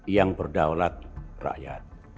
yang berdaulat rakyat